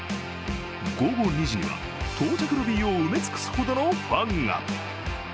午後２時には、到着ロビーを埋め尽くすほどのファンが。